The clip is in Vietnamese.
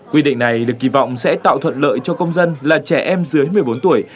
quy định này được kỳ vọng sẽ tạo thuận lợi cho công dân là trẻ em dưới một mươi bốn tuổi